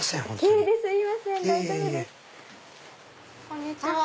こんにちは。